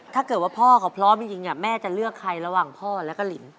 ถ้าเกิดว่าพ่อเขาพร้อมจริงแม่จะเลือกใครระหว่างพ่อแล้วก็หลิน